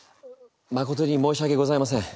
誠に申し訳ございません。